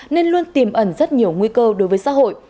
nên luôn tìm ẩn rất nhiều nguy cơ đối với xã hội